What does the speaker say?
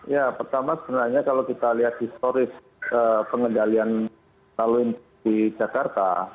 ya pertama sebenarnya kalau kita lihat di historis pengendalian laluan di jakarta